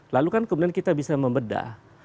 lalu kan kemudian kita bisa membedah